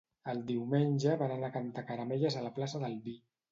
El diumenge van anar a cantar caramelles a la plaça del vi